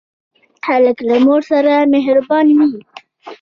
هلک له مور سره مهربان وي.